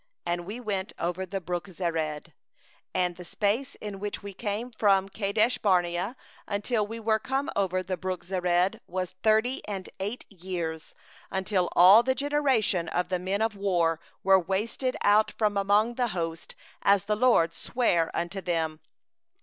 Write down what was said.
And we went over the brook Zered. 14And the days in which we came from Kadesh barnea, until we were come over the brook Zered, were thirty and eight years; until all the generation, even the men of war, were consumed from the midst of the camp, as the LORD swore unto them.